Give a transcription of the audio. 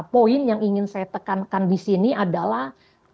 poin yang ingin saya tekankan di sini adalah